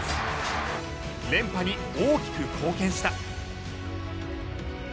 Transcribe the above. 連覇に大きく貢献した。